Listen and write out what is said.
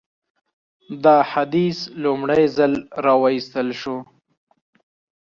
دا حدیث لومړی ځل راوایستل شو.